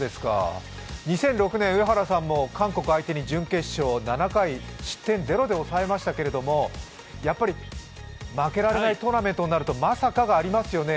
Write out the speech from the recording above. ２００６年、上原さんも韓国相手に準決勝、７回、失点ゼロで抑えましたけどやっぱり負けられないトーナメントになるとまさかがありますよね。